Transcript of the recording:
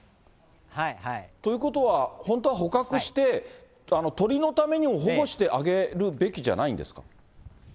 ということは、本当は捕獲して、鳥のためにも保護してあげるべきじゃないんですか。